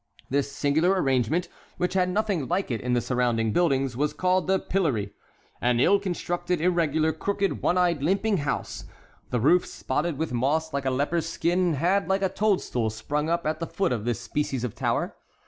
This singular arrangement, which had nothing like it in the surrounding buildings, was called the pillory. An ill constructed, irregular, crooked, one eyed, limping house, the roof spotted with moss like a leper's skin, had, like a toadstool, sprung up at the foot of this species of tower.